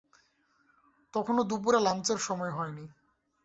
তখনো দুপুরে-ল্যাঞ্চের সময় হয় নি।